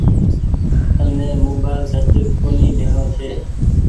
تن ني موبآئيل ٽچ ڪونيٚ ليڻو ڇي۔